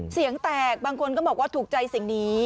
เสียงแตกบางคนก็บอกว่าถูกใจสิ่งนี้